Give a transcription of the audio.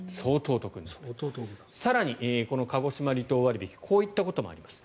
更に鹿児島離島割引こういったこともあります。